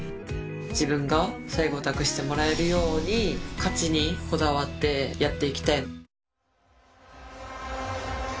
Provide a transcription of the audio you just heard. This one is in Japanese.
自分が最後託してもらえるように勝ちにこだわってやっていきたい。